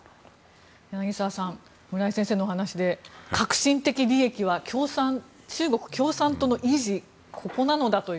柳澤さん村井先生のお話で核心的利益は中国共産党の維持ここなのだという。